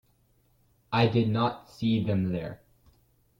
I did not see them there.